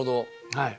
はい。